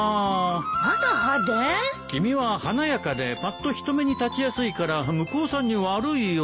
君は華やかでぱっと人目に立ちやすいから向こうさんに悪いよ。